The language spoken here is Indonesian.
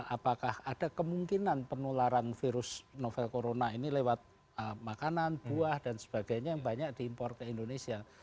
apakah ada kemungkinan penularan virus novel corona ini lewat makanan buah dan sebagainya yang banyak diimpor ke indonesia